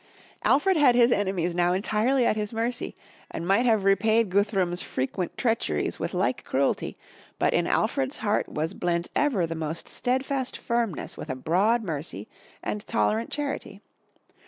Alfred had his enemies now entirely at his mercy and might have repaid Guthrum's frequent treacheries with like cruelty, but in Alfred's heart was blent ever the most steadfast firmness with a broad mercy and tolerant charity.